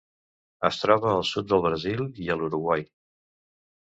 Es troba al sud del Brasil i a l'Uruguai.